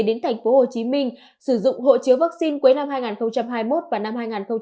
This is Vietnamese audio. đến thành phố hồ chí minh sử dụng hộ chiếu vaccine cuối năm hai nghìn hai mươi một và năm hai nghìn hai mươi hai